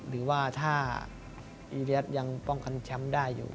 หรือว่าถ้าอีเรียสยังป้องกันแชมป์ได้อยู่